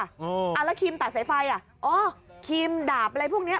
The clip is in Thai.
อ๋อแล้วครีมตัดไฟไฟอ๋อครีมดาบอะไรพวกนี้